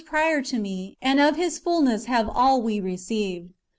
prior to me : and of His fulness have all we received."